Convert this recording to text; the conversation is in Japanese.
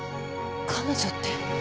彼女って？